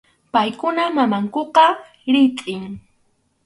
Paykunap mamankuqa ritʼim.